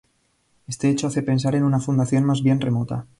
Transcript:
Este hecho hace pensar en una fundación más bien remota.